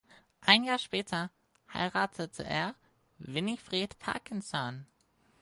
Ein Jahr später heiratete er Winifred Parkinson.